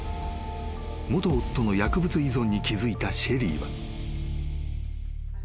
［元夫の薬物依存に気付いたシェリーは］